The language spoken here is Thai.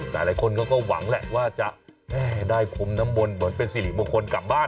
หลายคนเขาก็หวังแหละว่าจะแม่ได้พรมน้ำมนต์เหมือนเป็นสิริมงคลกลับบ้าน